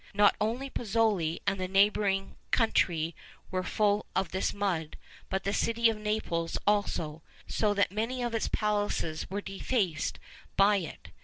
Not only Pozzuoli and the neighbouring country were full of this mud, but the city of Naples also; so that many of its palaces were defaced by it.